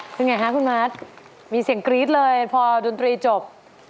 เป็นไงคะคุณมัดมีเสียงกรี๊ดเลยพอดนตรีจบ